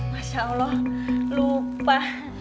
masya allah lupa